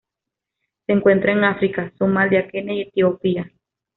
Se encuentran en África: Somalia, Kenia y Etiopía.